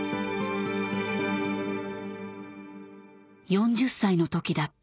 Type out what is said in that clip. ４０歳の時だった。